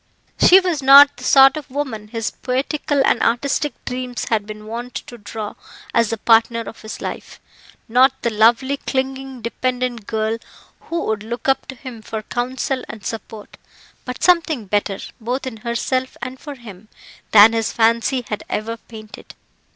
She was not the sort of woman his poetical and artistic dreams had been wont to draw as the partner of his life; not the lovely, clinging, dependent girl who would look up to him for counsel and support, but something better, both in herself and for him, than his fancy had ever painted.